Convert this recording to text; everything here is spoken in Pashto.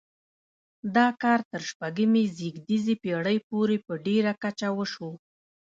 دا کار تر شپږمې زېږدیزې پیړۍ وروسته په ډیره کچه وشو.